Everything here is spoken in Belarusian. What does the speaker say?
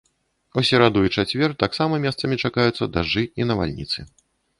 У сераду і чацвер таксама месцамі чакаюцца дажджы і навальніцы.